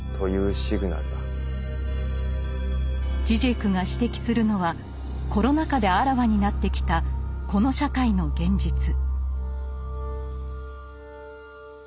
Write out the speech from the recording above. ジジェクが指摘するのはコロナ禍であらわになってきたこの社会の現実。